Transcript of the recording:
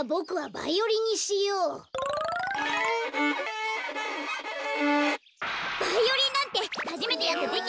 バイオリンなんてはじめてやってできるわけないでしょ！